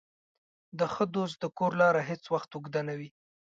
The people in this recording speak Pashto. د ښه دوست د کور لاره هېڅ وخت اوږده نه وي.